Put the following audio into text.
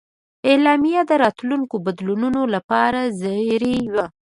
اعلامیه د راتلونکو بدلونونو لپاره زېری و.